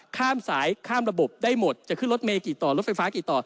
ข้ามสายข้ามระบบได้หมดจะขึ้นรถเมย์กี่ต่อรถไฟฟ้ากี่ต่อ